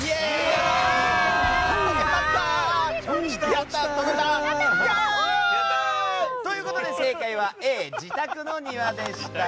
やったー！ということで正解はＡ、自宅の庭でした。